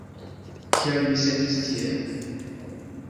Kial mi sentis tiel?